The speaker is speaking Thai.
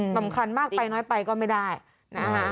สำคัญมากไปน้อยไปก็ไม่ได้นะคะ